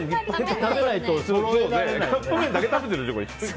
カップ麺だけ食べてるでしょ。